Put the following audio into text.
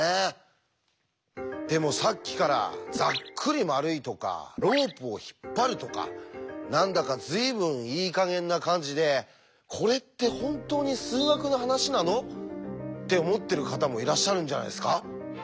でもさっきから「ざっくり丸い」とか「ロープを引っ張る」とか何だか随分いい加減な感じで「これって本当に数学の話なの？」って思ってる方もいらっしゃるんじゃないですか？